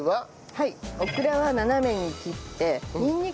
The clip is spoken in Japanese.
はい。